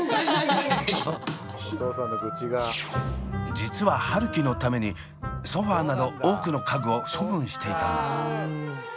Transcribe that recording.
実は春輝のためにソファーなど多くの家具を処分していたんです。